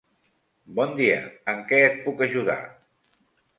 Bon dia, en què et puc ajudar?